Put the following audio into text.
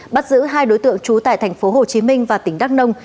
bắt giữ hai đối tượng trú tại thành phố hồ chí minh và tỉnh đắk nông